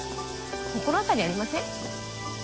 心当たりありません？